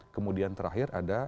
kemudian terakhir ada